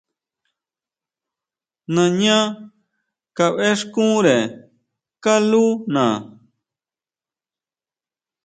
Nañá kabʼéxkunre kalúna.